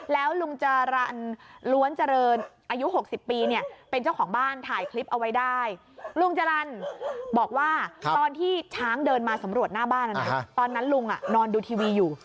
แล้วลุงจรรรร้วนเจริญอายุ๖๐ปี